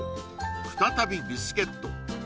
再びビスケット